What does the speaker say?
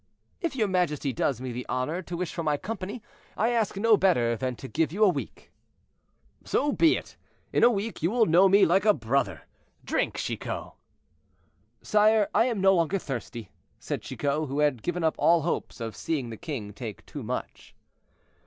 "If your majesty does me the honor to wish for my company, I ask no better than to give you a week." "So be it; in a week you will know me like a brother. Drink, Chicot." "Sire, I am no longer thirsty," said Chicot, who had given up all hopes of seeing the king take too much.